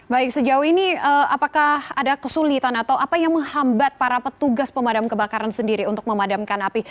baik sejauh ini apakah ada kesulitan atau apa yang menghambat para petugas pemadam kebakaran sendiri untuk memadamkan api